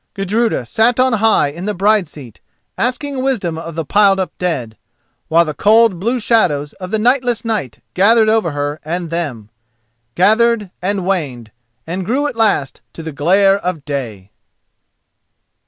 Gudruda sat on high in the bride's seat, asking wisdom of the piled up dead, while the cold blue shadows of the nightless night gathered over her and them—gathered, and waned, and grew at last to the glare of day.